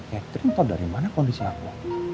catherine tau dari mana kondisi aku